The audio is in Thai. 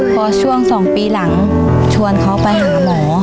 พอช่วง๒ปีหลังชวนเขาไปหาหมอ